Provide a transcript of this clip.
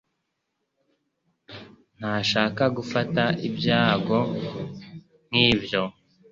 ntashaka gufata ibyago nk'ibyo.